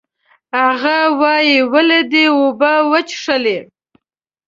هغه وایي، ولې دې اوبه وڅښلې؟